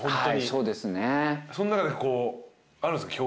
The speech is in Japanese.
その中でこうあるんすか？